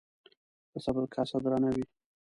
د صبر کاسه درانه وي